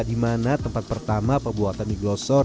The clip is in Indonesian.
di mana tempat pertama pembuatan mie glosor